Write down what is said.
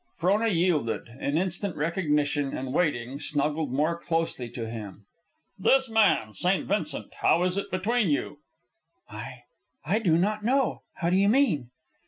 Frona yielded, in instant recognition, and waiting, snuggled more closely to him. "This man, St. Vincent how is it between you?" "I ... I do not know. How do you mean?"